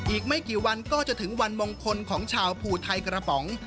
อีกไม่กี่วันก็จะถึงวันมงคลของชาวภูไทยกระป๋อง